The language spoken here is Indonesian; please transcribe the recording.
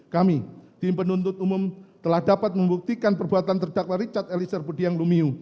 kami tim penuntut umum telah dapat membuktikan perbuatan terdakwa richard eliezer budiang lumiu